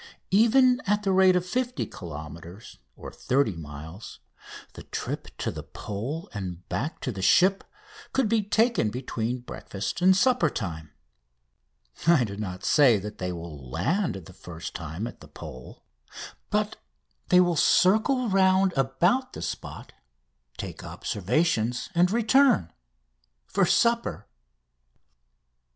Even at the rate of 50 kilometres (30 miles), the trip to the Pole and back to the ship could be taken between breakfast and supper time. I do not say that they will land the first time at the Pole, but they will circle round about the spot, take observations, and return ... for supper.